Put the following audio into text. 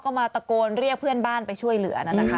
ก็มาตะโกนเรียกเพื่อนบ้านไปช่วยเหลือ